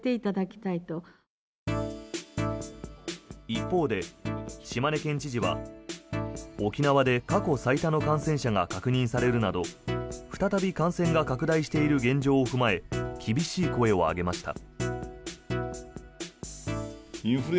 一方で、島根県知事は沖縄で過去最多の感染者が確認されるなど再び感染拡大している現状を踏まえ厳しい声を上げました。